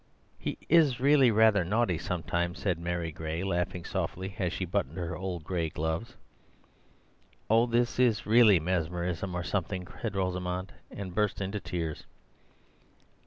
"He is really rather naughty sometimes," said Mary Gray, laughing softly as she buttoned her old gray gloves. "Oh, this is really mesmerism, or something," said Rosamund, and burst into tears.